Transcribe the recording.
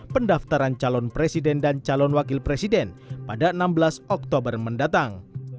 pendaftaran calon presiden dan calon wakil presiden pada enam belas oktober mendatang